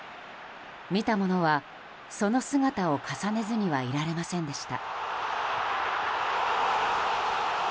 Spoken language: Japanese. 見た者は、その姿を重ねずにはいられませんでした。